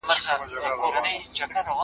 که وخت وي، قلم استعمالوموم.